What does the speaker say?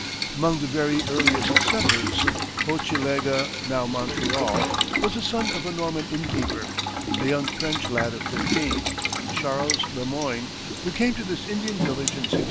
Among the very earliest settlers of Hochelega, now Montreal, was the son of a Norman innkeeper, a young French lad of fifteen, Charles le Moyne, who came to this Indian village in 1641.